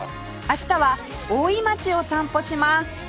明日は大井町を散歩します